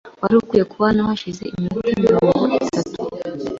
Wari ukwiye kuba hano hashize iminota mirongo itatu .